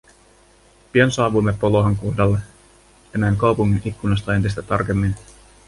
Pian saavuimme Polohan kohdalle ja näin kaupungin ikkunasta entistä tarkemmin.